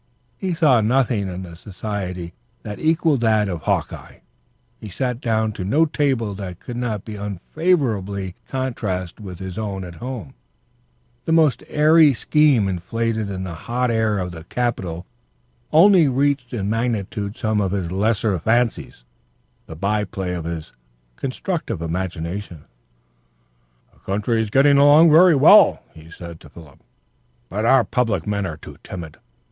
He saw nothing in its society that equalled that of Hawkeye, he sat down to no table that could not be unfavorably contrasted with his own at home; the most airy scheme inflated in the hot air of the capital only reached in magnitude some of his lesser fancies, the by play of his constructive imagination. "The country is getting along very well," he said to Philip, "but our public men are too timid.